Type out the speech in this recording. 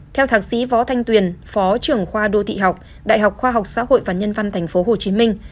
theo thạc sĩ võ thanh tuyền phó trưởng khoa đô thị học đại học khoa học xã hội và nhân văn thành phố hồ chí minh